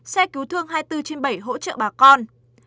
xe cứu thương hai mươi bốn trên bảy hỗ trợ bà con